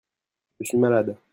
Je suis malade.